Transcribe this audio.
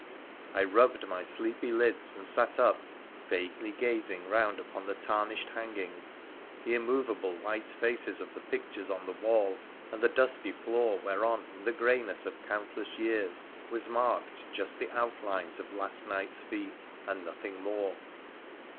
I rubbed my sleepy lids and sat up, vaguely gazing round upon the tarnished hangings, the immovable white face3 of the pictures on the wall, and the dusty floor whereon, in the greyness of countless years, was marked just the outlines of last night's feet, and nothing more.